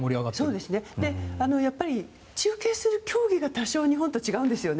で、やっぱり中継する競技が多少、日本と違うんですよね。